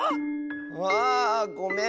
ああごめん！